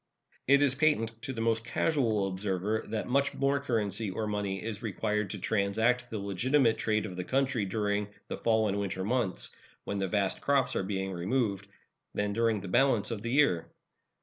It is patent to the most casual observer that much more currency, or money, is required to transact the legitimate trade of the country during the fall and winter months, when the vast crops are being removed, than during the balance of the year.